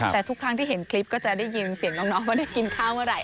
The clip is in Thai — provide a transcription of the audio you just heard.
แต่ทุกครั้งที่เห็นคลิปก็จะได้ยินเสียงน้องว่าได้กินข้าวเมื่อไห